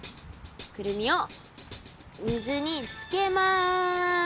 クルミを水につけます。